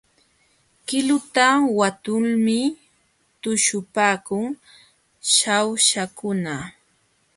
Qiluta wantulmi tuśhupaakun Shawshakuna.